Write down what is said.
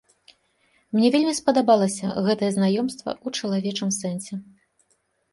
Мне вельмі спадабалася гэтае знаёмства ў чалавечым сэнсе.